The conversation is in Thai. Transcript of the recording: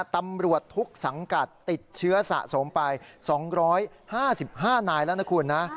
ตำรวจทุกสังกัดติดเชื้อสะสมไป๒๕๕นายแล้วนะคุณนะ